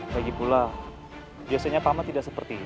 lagipula biasanya pak ahmad tidak seperti ini